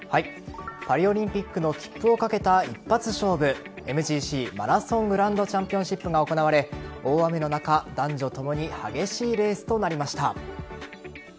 パリオリンピックの切符を懸けた一発勝負ＭＧＣ＝マラソングランドチャンピオンシップが行われ大雨の中、男女ともに激しいレースとなりました。